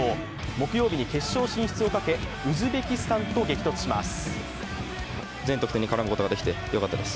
木曜日に決勝進出を懸けウズベキスタンと激突します。